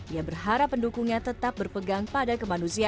ia berharap pendukungnya tetap berpegang pada kemanusiaan